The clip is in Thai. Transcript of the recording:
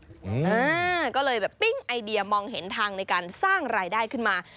อ่าก็เลยแบบปิ้งไอเดียมองเห็นทางในการสร้างรายได้ขึ้นมา